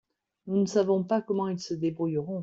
Nous ne savons pas comment ils se débrouilleront.